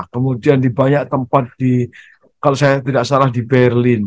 kemudian di banyak tempat di kalau saya tidak salah di berlin